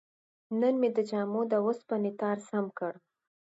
نن مې د جامو د وسپنې تار سم کړ.